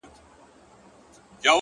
دوى ما اوتا نه غواړي’